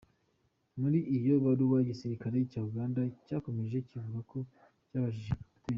Muri iyo baruwa, igisirikare cya Uganda cyakomeje kivuga ko cyabajije Capt.